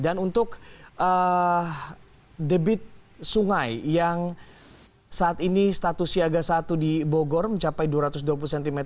dan untuk debit sungai yang saat ini status siaga satu di bogor mencapai dua ratus dua puluh cm